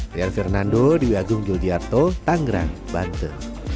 rian fernando dewi agung gildiarto tanggerang bante